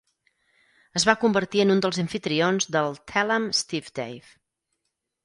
Es va convertir en un dels amfitrions del Tell 'Em Steve-Dave!